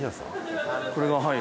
これがはい。